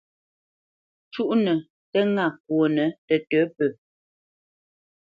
Cúʼnə tə́ ŋâ kwonə tətə̌ pə.